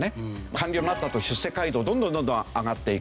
官僚になったあと出世街道をどんどんどんどん上がっていく。